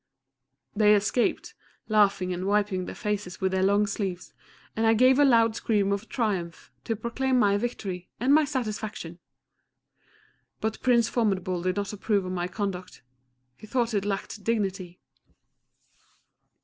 They escaped, laughing and wiping their faces with their long sleeves, and I gave a loud scream of triumph, to proclaim my victory, and my satisfaction!... But Prince Formidable did not approve my conduct he thought it lacked dignity.